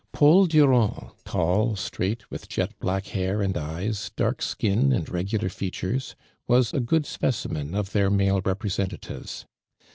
Paul Durand, tall, straight, with jet black hair and eyes, dark skin and regular fea tures, was a good specimen of their male representatives.